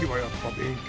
勉強？